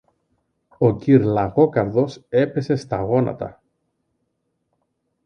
Ο κυρ-Λαγόκαρδος έπεσε στα γόνατα.